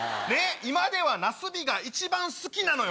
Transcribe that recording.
今ではなすびが一番好きなのよ。